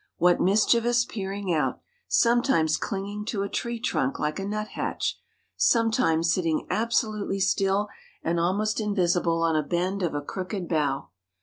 What mischievous peering out, sometimes clinging to a tree trunk like a nuthatch, sometimes sitting absolutely still and almost invisible on a bend of a crooked bough!